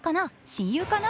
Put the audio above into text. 親友かな？